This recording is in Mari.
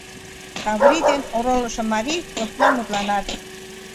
Каврий ден оролышо марий посна мутланат: